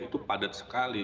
itu padat sekali